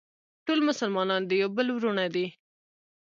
ټول مسلمانان د یو بل وروڼه دي.